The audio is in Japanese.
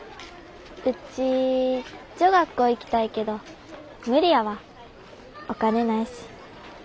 ウチ女学校行きたいけど無理やわお金ないし。